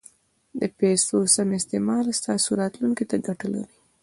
د پیسو سم استعمال ستاسو راتلونکي ته ګټه لري.